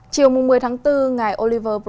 chiều một mươi tháng bốn ngày oliver park